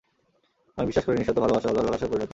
আমি বিশ্বাস করি, নিঃশর্ত ভালোবাসা হলো লালসার পরিণতি।